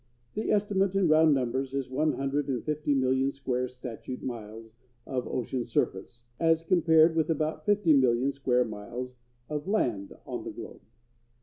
The estimate in round numbers is one hundred and fifty million square (statute) miles of ocean surface, as compared with about fifty million square miles of land on the globe.